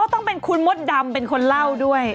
ต้องเป็นคุณมดดำเป็นคนเล่าด้วย